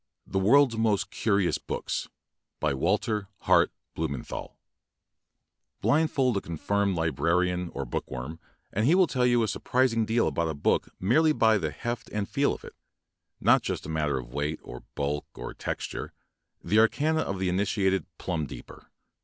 THE WORLD'S MOST CURIOUS BOOKS By Walter Hart Blumenthal BLINDFOLD a conflrmed librarian or bookworm and he will tell you « surprising deal about a book merely by the heft and feel of it. Not just a matter of weight or bulk or texture — the arcana of the initiated plumb deeper.